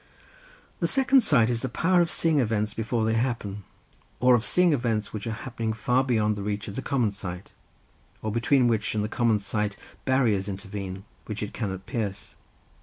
The second sight is a power of seeing events before they happen, or of seeing events which are happening far beyond the reach of the common sight, or between which and the common sight barriers intervene, which it cannot pierce.